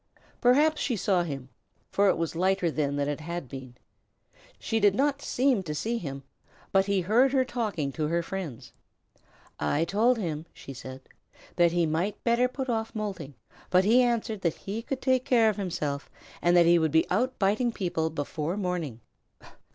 Perhaps she saw him, for it was lighter then than it had been. She did not seem to see him, but he heard her talking to her friends. "I told him," she said, "that he might better put off moulting, but he answered that he could take care of himself, and that he would be out biting people before morning."